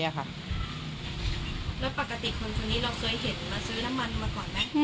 แล้วปกติคนคนนี้เราเคยเห็นมาซื้อน้ำมันมาก่อนไหม